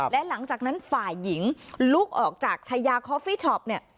และหลังจากนั้นฝ่ายหญิงลุกออกจากชายาคอฟฟี่ช็อปเนี่ย